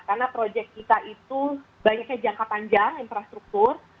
karena proyek kita itu banyaknya jangka panjang infrastruktur